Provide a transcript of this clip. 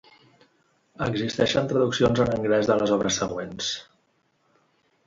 Existeixen traduccions a l'anglès de les obres següents.